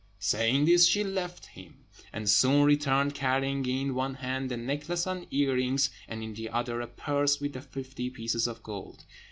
Saying this, she left him, and soon returned, carrying in one hand the necklace and earrings, and in the other a purse with the fifty pieces of gold.